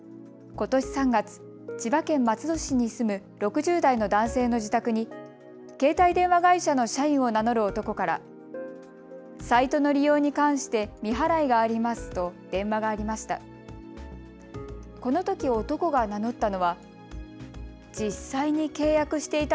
ことし３月、千葉県松戸市に住む６０代の男性の自宅に携帯電話会社の社員を名乗る男からサイトの利用に関して未払いがありますと電話がありました。